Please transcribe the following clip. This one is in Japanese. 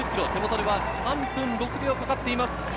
手元では３分６秒かかっています。